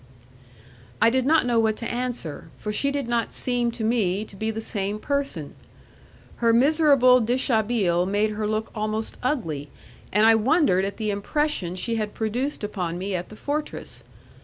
I did not know what to answer, for she did not seem to me to be the same person. Her miserable dishabille made her look almost ugly, and I wondered at the impression she had produced upon me at the fortress.